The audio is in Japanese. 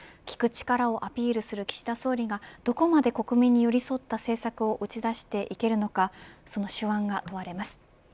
聞く力をアピールする岸田総理がどこまで国民に寄り添った政策を打ち出していけるのかその手腕が問われます。